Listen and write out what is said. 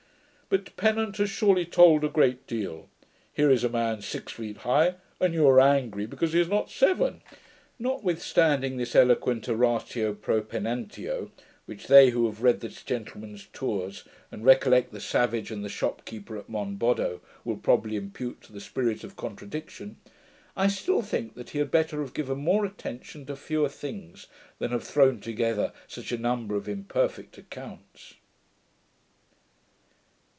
But Pennant has surely told a great deal. Here is a man six feet high, and you are angry because he is not seven.' Notwithstanding this eloquent Oratio pro Pennantio, which they who have read this gentleman's TOURS, and recollect the Savage and the Shopkeeper at Monboddo will probably impute to the spirit of contradiction. I still think that he had better have given more attention to fewer things, than have thrown together such a number of imperfect accounts.